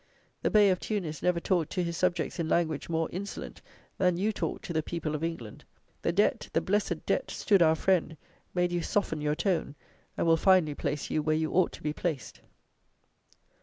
The Bey of Tunis never talked to his subjects in language more insolent than you talked to the people of England. The DEBT, the blessed Debt, stood our friend, made you soften your tone, and will finally place you where you ought to be placed.